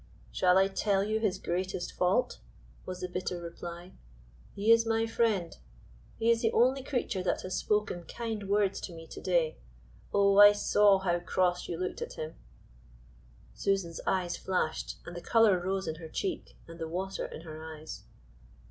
"Shall I tell you his greatest fault?" was the bitter reply. "He is my friend; he is the only creature that has spoken kind words to me to day. Oh! I saw how cross you looked at him." Susan's eyes flashed, and the color rose in her cheek, and the water in her eyes.